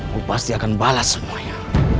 aku pasti akan balas semuanya